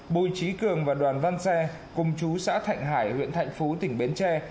bùi trí cường và đoàn văn xe cùng chú xã thạnh hải huyện thạnh phú tỉnh bến tre